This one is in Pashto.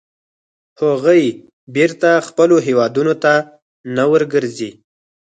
هغوی بېرته خپلو هیوادونو ته نه ورګرځي.